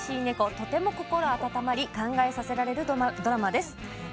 とても心温まり考えさせられるドラマですね。